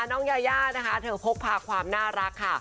น้องยายานะคะเธอพกพาความน่ารักค่ะ